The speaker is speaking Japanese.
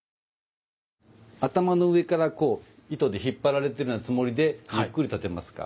頭の上からこう糸で引っ張られているようなつもりでゆっくり立てますか。